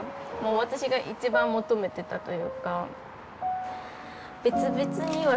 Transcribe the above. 私が一番求めてたというか。